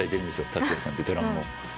達也さんってドラムを。